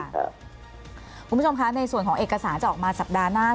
คุณผู้ชมคะในส่วนของเอกสารจะออกมาสัปดาห์หน้า